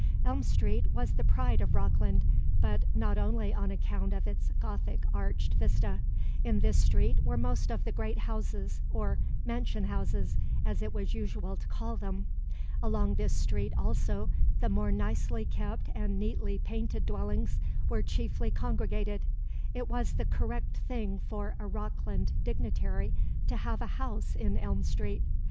Elm Street was the pride of Rockland, but not only on account of its Gothic arched vista. In this street were most of the great houses, or "mansion houses," as it was usual to call them. Along this street, also, the more nicely kept and neatly painted dwellings were chiefly congregated. It was the correct thing for a Rockland dignitary to have a house in Elm Street.